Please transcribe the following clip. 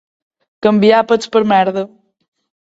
Canviar pets per merda.